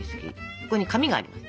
そこに紙があります。